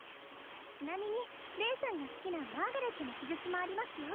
ちなみにレイさんが好きなマーガレットの記述もありますよ